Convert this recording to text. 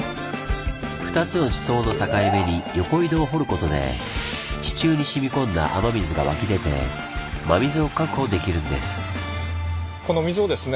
２つの地層の境目に横井戸を掘ることで地中に染み込んだ雨水が湧き出て真水を確保できるんです。